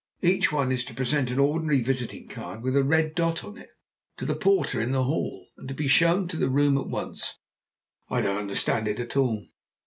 Each one is to present an ordinary visiting card with a red dot on it to the porter in the hall, and to be shown to the room at once. I don't understand it at all."